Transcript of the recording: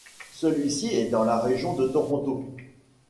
Celui-ci est dans la région de Toronto.